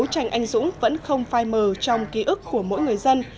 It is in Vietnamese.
cũng vẫn không phai mờ trong ký ức của mỗi người dân